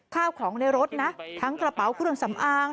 ข้าวของในรถนะทั้งกระเป๋าเครื่องสำอาง